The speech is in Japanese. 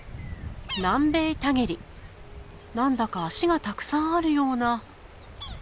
なんだか足がたくさんあるような。